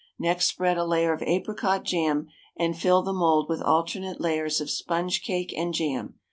Next spread a layer of apricot jam, and fill the mould with alternate layers of sponge cake and jam.